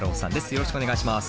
よろしくお願いします。